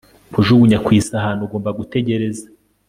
kujugunya ku isahani. ugomba gutegereza